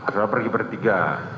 saudara pergi bertiga